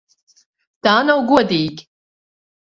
Tā nav godīgi!